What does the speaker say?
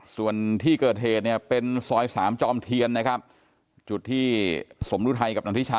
ส่วนที่เกิดเหตุเนี่ยเป็นซอยสามจอมเทียนนะครับจุดที่สมรุไทยกับนางทิชา